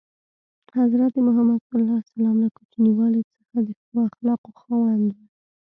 حضرت محمد ﷺ له کوچنیوالي څخه د ښو اخلاقو خاوند و.